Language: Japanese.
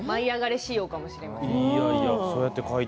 仕様かもしれませんね。